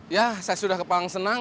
ya saya sudah kepang senang